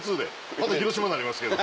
また広島なりますけど。